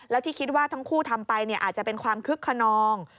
แล้วที่คิดว่าทั้งคู่ทำไปอาจจะเป็นความคึกขนอง